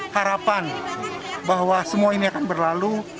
harapan bahwa semua ini akan berlalu